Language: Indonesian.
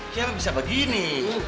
siapa bisa begini